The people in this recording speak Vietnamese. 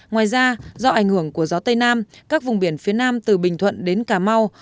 ngoài ra do ảnh hưởng của gió tây nam các vùng biển phía nam từ bình thuận đến cà mau